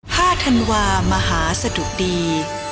ธันวามหาสะดุดี